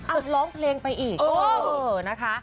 ร้องเพลงไปอีกเออนะคะ